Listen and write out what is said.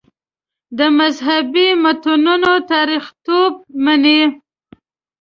د مذهبي متنونو تاریخیتوب مني.